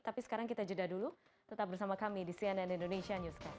tapi sekarang kita jeda dulu tetap bersama kami di cnn indonesia newscast